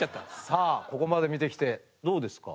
さあここまで見てきてどうですか？